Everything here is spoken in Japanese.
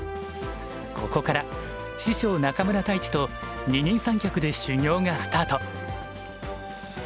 ここから師匠中村太地と二人三脚で修業がスタート。